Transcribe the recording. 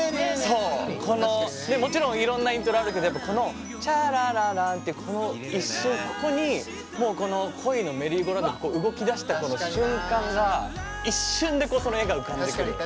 もちろんいろんなイントロあるけどこの「チャラララン」ってこの一瞬、ここに恋のメリーゴーラウンドが動きだした瞬間が一瞬で、その絵が浮かんでくる。